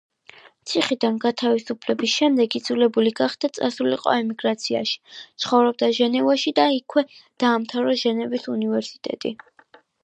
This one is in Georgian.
ციხიდან გათავისუფლების შემდეგ იძულებული გახდა წასულიყო ემიგრაციაში, ცხოვრობდა ჟენევაში და იქვე დაამთავრა ჟენევის უნივერსიტეტი.